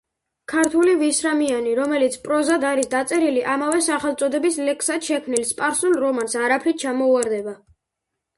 ქართული „ვისრამიანი“, რომელიც პროზად არის დაწერილი, ამავე სახელწოდების ლექსად შექმნილ სპარსულ რომანს არაფრით ჩამოუვარდება.